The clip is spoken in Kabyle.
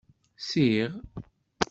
Siɣ.